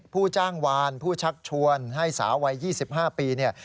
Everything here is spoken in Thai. ผู้จ้างวานผู้ชักชวนให้สาววัย๒๕ปีเนี่ย